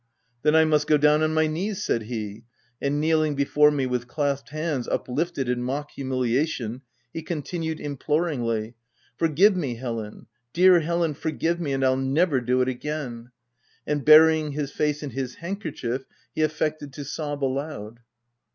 " Then I must go down on my knees," said he ; and kneeling before me with clasped hands uplifted in mock humiliation, he continued im ploringly —" Forgive me, Helen !— dear Helen forgive me, and I'll never do it again !" and burying his face in his handkerchief, he affected to sob aloud.